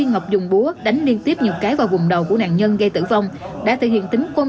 nghiệm búa đánh liên tiếp nhiều cái vào vùng đầu của nạn nhân gây tử vong đã thể hiện tính côn